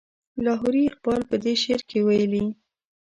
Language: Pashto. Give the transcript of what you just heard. لاهوري اقبال په دې شعر کې ویلي.